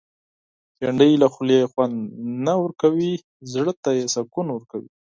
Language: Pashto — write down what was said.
بېنډۍ له خولې خوند نه ورکوي، زړه ته سکون ورکوي